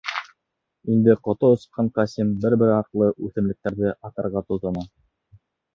Инде ҡото осҡан Ҡасим бер-бер артлы үҫемлектәрҙе атарға тотона.